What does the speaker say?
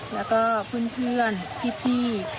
แล้วก็เพื่อนพี่